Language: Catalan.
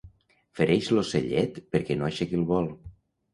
Fereix l'ocellet perquè no aixequi el vol.